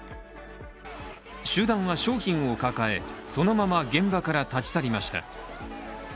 集団は商品を抱えそのまま現場から立ち去りました。